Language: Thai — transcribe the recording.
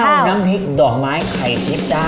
ข้าวย่ำพริกดอกไม้ไข่ทิศตา